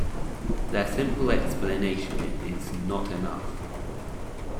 Their simple explanation is not enough.